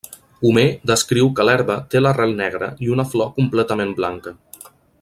Homer descriu que l'herba té l'arrel negra i una flor completament blanca.